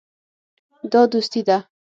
دا دوستي ده.